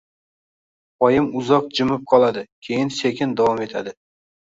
Oyim uzoq jimib qoladi, keyin sekin davom etadi.